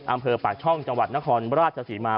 อำเภอปากช่องจังหวัดนครราชศรีมา